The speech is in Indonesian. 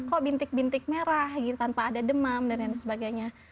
kok bintik bintik merah gitu tanpa ada demam dan lain sebagainya